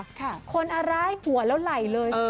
ค่ะคนอร้ายหัวแล้วไหล่เลยเออ